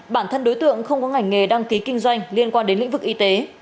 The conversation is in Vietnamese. bản thân đối tượng không có ngành nghề đăng ký kinh doanh liên quan đến lĩnh vực y tế